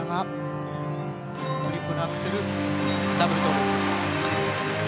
トリプルアクセルダブルトウループ。